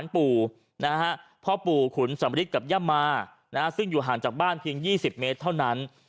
เพียง๒๐เมตรเท่านั้น